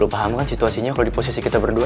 lo paham kan situasinya kalo di posisi kita berdua